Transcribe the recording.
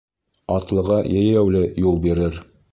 Атлыға йәйәүле юл бирер.